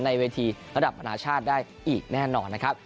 ในเวทีระดับอนาชาติได้อีกแน่นอนนะครับ